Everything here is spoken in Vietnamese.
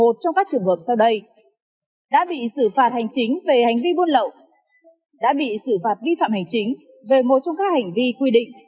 sau đây đã bị xử phạt hành chính về hành vi buôn lậu đã bị xử phạt vi phạm hành chính về một trong các hành vi quy định